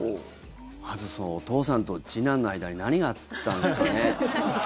まずお父さんと次男の間に何があったのかね。